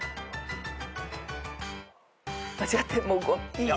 間違ってもいい？